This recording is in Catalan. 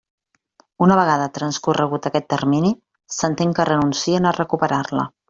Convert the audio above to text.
Una vegada transcorregut aquest termini s'entén que renuncien a recuperar-la.